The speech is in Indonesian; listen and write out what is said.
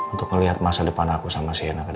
untuk ngelihat masa depan aku sama si ena ke depan gimana